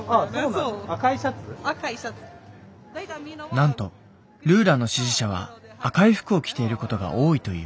なんとルーラの支持者は赤い服を着ていることが多いという。